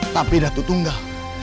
tapi datu tunggal